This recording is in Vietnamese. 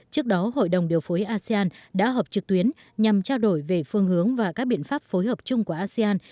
trước đó hội đồng điều phối asean đã họp trực tuyến nhằm trao đổi về phương hướng và các biện pháp phối hợp chung của asean